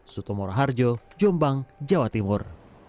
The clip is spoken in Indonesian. sutomora harjo jombang jawa timur